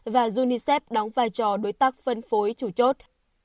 và unicef đóng vai trò đối tác phân phối chủ chốt